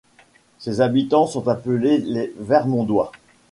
Ses habitants sont appelés les Vermondois.